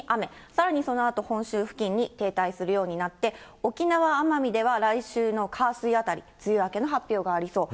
さらにそのあと本州付近に停滞するようになって、沖縄・奄美では来週の火、水あたり、梅雨明けの発表がありそう。